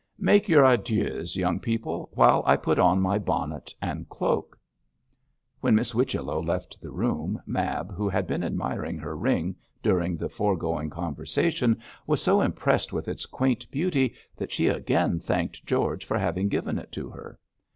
Make your adieux, young people, while I put on my bonnet and cloak.' When Miss Whichello left the room, Mab, who had been admiring her ring during the foregoing conversation, was so impressed with its quaint beauty that she again thanked George for having given it to her.